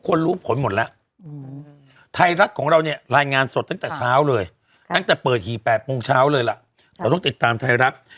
พรุ่งเช้าเลยล่ะเราต้องติดตามไทยรับ